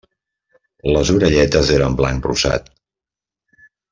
Les orelletes eren blanc rosat.